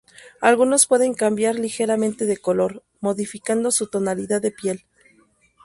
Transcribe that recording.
Algunos pueden cambiar ligeramente de color, modificando su tonalidad de piel.